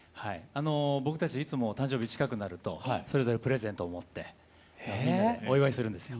僕たちいつも誕生日近くなるとそれぞれプレゼントを持ってみんなでお祝いするんですよ。